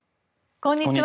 こんにちは。